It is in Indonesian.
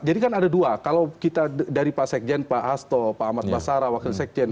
jadi kan ada dua kalau kita dari pak sekjen pak hasto pak ahmad basara wakil sekjen